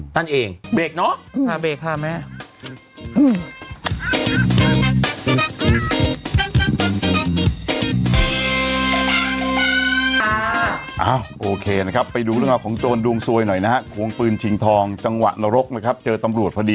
ท่านเองเบรกเนาะ